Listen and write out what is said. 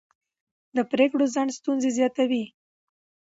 د پرېکړو ځنډ ستونزې زیاتوي